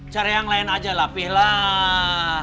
cari yang lain aja lah pi lah